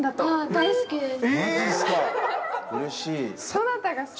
大好きです。